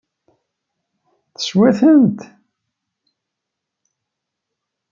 Teswa-tent?